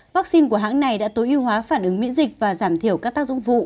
vaccine của hãng này đã tối ưu hóa phản ứng miễn dịch và giảm thiểu các tác dụng vụ